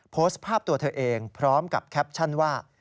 โพสต์ภาพตัวเธอเองพร้อมกับแคปชั่นว่า